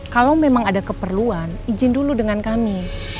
kalau memang ada keperluan izin dulu dengan kami